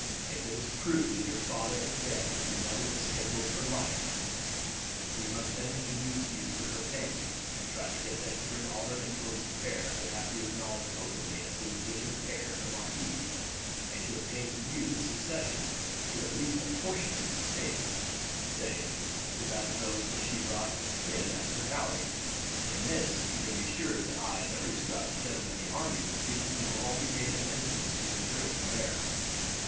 If it is proved that your father is dead and your mother is secluded for life, we must then introduce you to her family, and try and get them to bring all their influence to bear to have you acknowledged openly as the legitimate heir of the marquis, and to obtain for you the succession to at least a portion of his estates say to that of those which she brought him as her dowry. In this you may be sure that I and every Scottish gentleman in the army will give you all the aid and influence we can bring to bear."